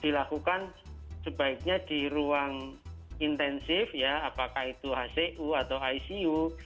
dilakukan sebaiknya di ruang intensif ya apakah itu hcu atau icu